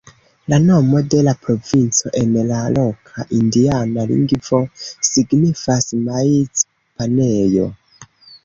La nomo de la provinco en la loka indiana lingvo signifas "maiz-panejo".